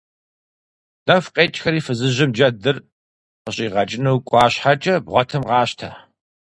Нэху къекӀхэри фызыжьым джэдыр къыщӀигъэкӀыну кӀуа щхьэкӀэ, бгъуэтым къащтэ!